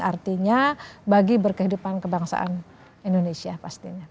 artinya bagi berkehidupan kebangsaan indonesia pastinya